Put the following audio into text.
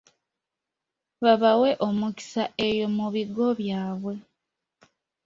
Babawe omukisa eyo mu bigo byabwe.